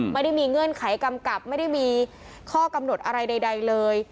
ไม่ได้มีเงื่อนไขกำกับไม่ได้มีข้อกำหนดอะไรใดเลย